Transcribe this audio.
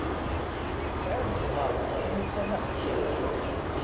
Tesεiḍ ẓẓher i yufan axeddim.